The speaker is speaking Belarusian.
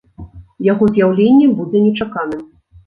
Яго з'яўленне будзе нечаканым.